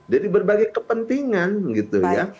dari berbagai kepentingan gitu ya